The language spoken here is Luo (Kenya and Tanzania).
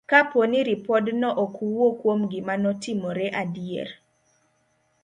Kapo ni ripodno ok wuo kuom gima notimore adier,